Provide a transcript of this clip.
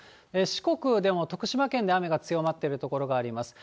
四国でも徳島県で雨が強まっている所があります。